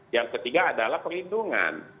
yang ketiga adalah perlindungan